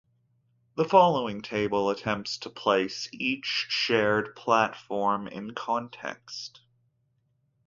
The following table attempts to place each shared platform in context.